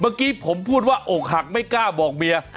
เมื่อกี้ผมพูดว่าอกหักไม่กล้าบอกเมีย